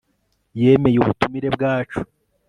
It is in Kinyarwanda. yemeye ubutumire bwacu